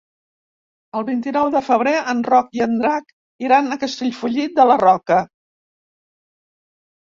El vint-i-nou de febrer en Roc i en Drac iran a Castellfollit de la Roca.